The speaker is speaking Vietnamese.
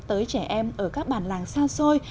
tới trẻ em ở các bàn làng xa xôi